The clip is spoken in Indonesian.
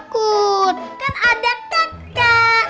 kan ada tata